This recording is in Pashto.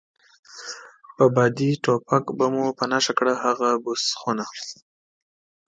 په بادي ټوپک به مو په نښه کړه، هغه بوس خونه.